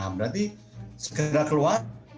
berarti segera keluar